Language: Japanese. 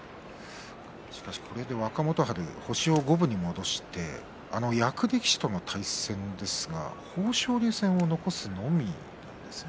これで若元春は星を五分に戻して役力士との対戦ですが豊昇龍戦を残すのみですね。